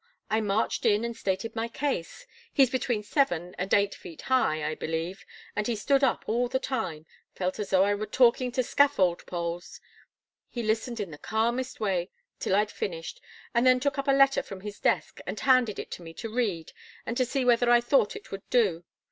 I marched in and stated my case. He's between seven and eight feet high, I believe, and he stood up all the time felt as though I were talking to scaffold poles. He listened in the calmest way till I'd finished, and then took up a letter from his desk and handed it to me to read and to see whether I thought it would do.